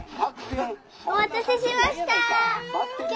お待たせしました！